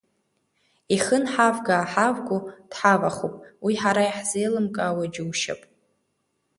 Ихы нҳавга-ааҳавго дҳавахуп, уи ҳара иаҳзеилымкаауа џьушьап…